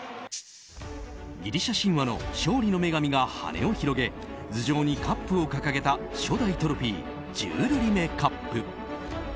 ギリシャ神話の勝利の女神が羽を広げ頭上にカップを掲げた初代トロフィージュール・リメ・カップ。